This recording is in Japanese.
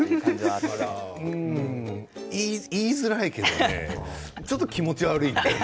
あらうん言いづらいけどねちょっと気持ち悪い。